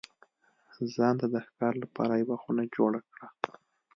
ځان ته د ښکار لپاره یوه خونه جوړه کړه.